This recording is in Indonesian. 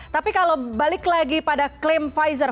tapi kalau balik lagi pada klaim pfizer